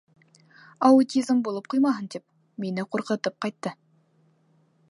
Аутизм булып ҡуймаһын, тип мине ҡурҡытып ҡайтты.